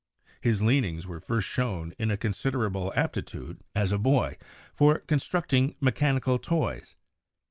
His leanings were first shown in a considerable aptitude, as a boy, for con structing mechanical toys.